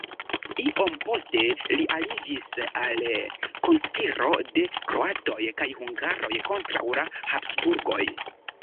Iom poste li aliĝis al konspiro de kroatoj kaj hungaroj kontraŭ la Habsburgoj.